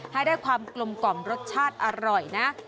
ให้ได้ความกลมกล่อมรสชาติอร่อยนะ